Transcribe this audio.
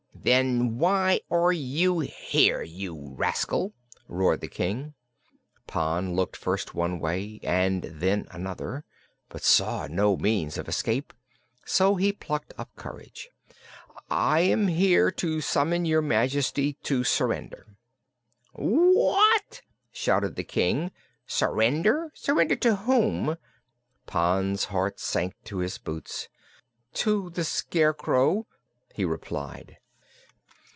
"Then why are you here, you rascal?" roared the King. Pon looked first one way and then another, but saw no means of escape; so he plucked up courage. "I am here to summon your Majesty to surrender." "What!" shouted the King. "Surrender? Surrender to whom?" Pon's heart sank to his boots. "To the Scarecrow," he replied.